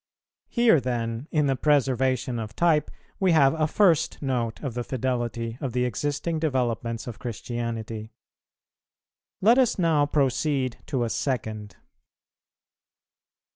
Here then, in the preservation of type, we have a first Note of the fidelity of the existing developments of Christianity. Let us now proceed to a second.